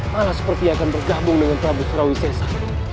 malah seperti dia akan bergabung dengan prabu surawi sesa